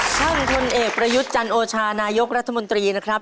ท่านพลเอกประยุทธ์จันโอชานายกรัฐมนตรีนะครับ